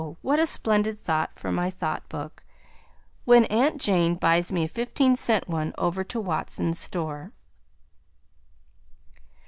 What a splendid thought for my Thought Book when Aunt Jane buys me a fifteen cent one over to Watson's store.